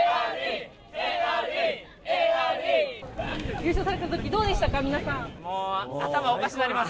優勝されたとき、どうでしたか、皆さん。